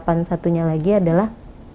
kemudian harapan satunya lagi adalah